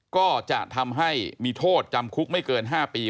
ก็จะทำให้มีโทษจำคุกไม่เกิน๕ปี